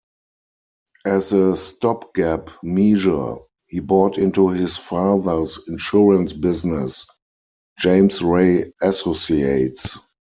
As a stopgap measure, he bought into his father's insurance business, James Ray Associates.